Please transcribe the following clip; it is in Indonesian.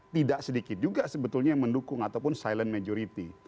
tidak sedikit juga sebetulnya yang mendukung ataupun silent majority